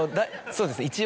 そうですね